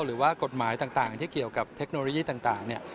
หรือว่ากฎหมายต่างที่เกี่ยวกับเทคโนโลยีต่างเนี่ย